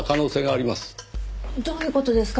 どういう事ですか？